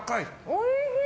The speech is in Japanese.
おいしい！